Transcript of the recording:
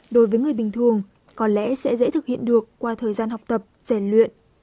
đối với người bình thường có lẽ sẽ dễ thực hiện được qua thời gian học tập rèn luyện